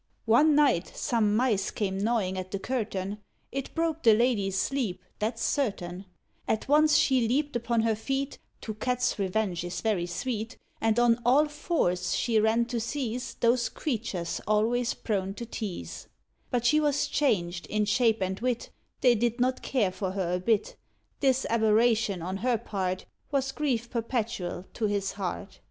One night some mice came gnawing at the curtain; It broke the lady's sleep, that's certain; At once she leaped upon her feet To cats revenge is very sweet And on all fours she ran to seize Those creatures always prone to tease; But she was changed in shape and wit They did not care for her a bit This aberration on her part Was grief perpetual to his heart.